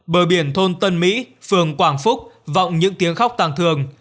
bờ biển thôn tân mỹ phường quảng phúc vọng những tiếng khóc tăng thường